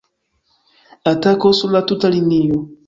Atako sur la tuta linio!